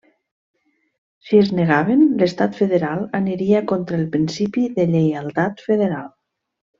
Si es negaven, l'estat federal aniria contra el principi de lleialtat federal.